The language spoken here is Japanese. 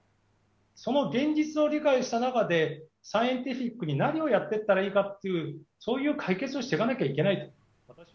その現実を理解した中で、サイエンティフィックに何をやってったらいいかっていう、そういう解決をしていかなきゃいけないと。